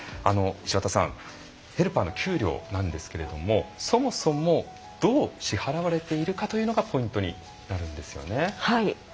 ヘルパーの給料なんですけれどもそもそもどう支払われているかというのがポイントになるんですよね。